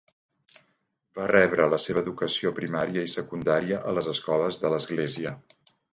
Va rebre la seva educació primària i secundària a les escoles de l'església.